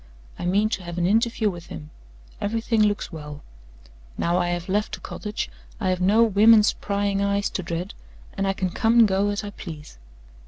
I mean to have an interview with him. Everything looks well. Now I have left the cottage, I have no women's prying eyes to dread, and I can come and go as I please.